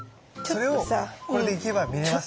それをこれでいけば見れますね。